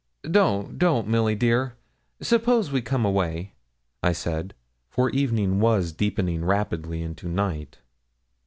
'Don't, don't, Milly dear. Suppose we come away,' I said, for the evening was deepening rapidly into night.